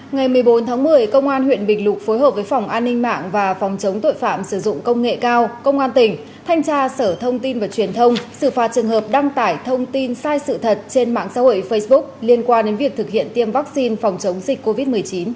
ngày một mươi bốn tháng một mươi công an huyện bình lục phối hợp với phòng an ninh mạng và phòng chống tội phạm sử dụng công nghệ cao công an tỉnh thanh tra sở thông tin và truyền thông xử phạt trường hợp đăng tải thông tin sai sự thật trên mạng xã hội facebook liên quan đến việc thực hiện tiêm vaccine phòng chống dịch covid một mươi chín